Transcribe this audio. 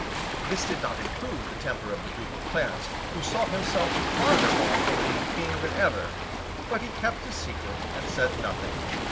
This did not improve the temper of the Duke of Clarence, who saw himself farther off from being King than ever; but he kept his secret, and said nothing.